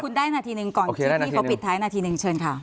คุณได้นาทีหนึ่งก่อนคลิปนี้เขาปิดท้ายนาทีหนึ่งเชิญค่ะ